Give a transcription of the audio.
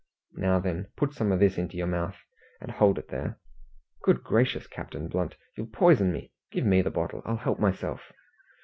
Now, then, put some o' this into your mouth, and hold it there." "Good gracious, Captain Blunt, you'll poison me! Give me the bottle; I'll help myself."